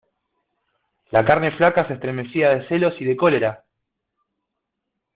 la carne flaca se estremecía de celos y de cólera.